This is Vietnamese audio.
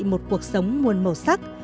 một cuộc sống muôn màu sắc